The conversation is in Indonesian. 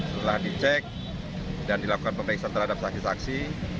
setelah dicek dan dilakukan pemeriksaan terhadap saksi saksi